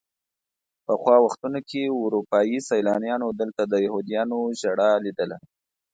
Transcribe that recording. پخوا وختونو کې اروپایي سیلانیانو دلته د یهودیانو ژړا لیدله.